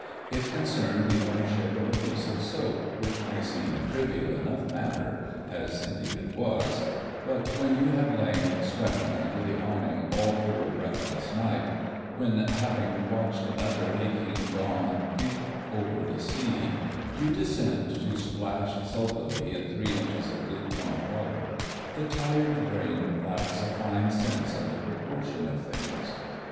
It concerned the ownership of a piece of soap, which may seem a trivial enough matter—as indeed it was; but when you have lain sweating under the awnings all through a breathless night, when, having watched another aching dawn creep over the sea, you descend to splash sulkily in three inches of lukewarm water, the tired brain lacks a fine sense of the proportion of things.